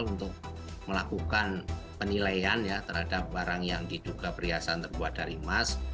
untuk melakukan penilaian terhadap barang yang diduga perhiasan terbuat dari emas